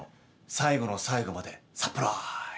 最後の最後までサプライズ！